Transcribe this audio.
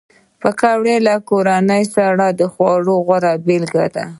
پکورې له کورني خوړو غوره مثال دی